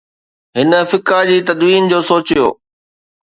هن فقه جي تدوين جو سوچيو.